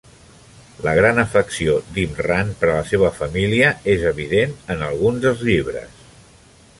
La gran afecció d'Imran per la seva família és evident en alguns dels llibres.